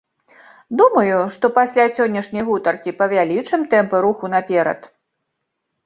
Думаю, што пасля сённяшняй гутаркі павялічым тэмпы руху наперад.